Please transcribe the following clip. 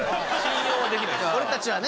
俺たちはね。